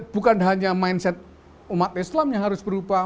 bukan hanya mindset umat islam yang harus berubah